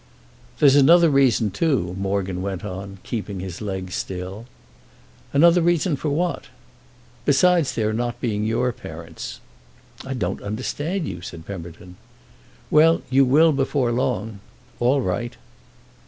"There's another reason, too," Morgan went on, keeping his legs still. "Another reason for what?" "Besides their not being your parents." "I don't understand you," said Pemberton. "Well, you will before long. All right!"